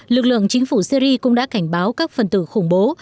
lực lượng chính phủ syri cũng đã cảnh báo các phần tử khủng bố